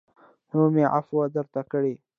نور مې عفوه درته کړې